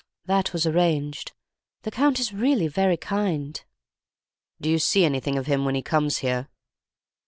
That was arranged. The Count is really very kind.' "'Do you see anything of him when he comes here?